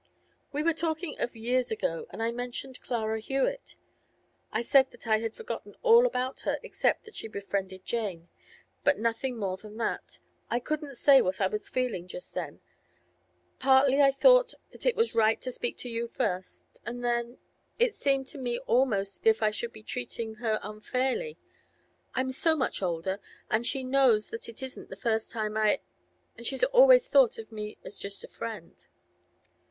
'We were talking of years ago, and I mentioned Clara Hewett. I said that I had forgotten all about her except that she'd befriended Jane. But nothing more than that. I couldn't say what I was feeling just then. Partly I thought that it was right to speak to you first; and then—it seemed to me almost as if I should be treating her unfairly. I'm so much older—she knows that it isn't the first time I—and she's always thought of me just as a friend.